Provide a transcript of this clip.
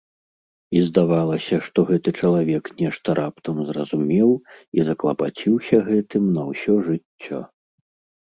І здавалася, што гэты чалавек нешта раптам зразумеў і заклапаціўся гэтым на ўсё жыццё.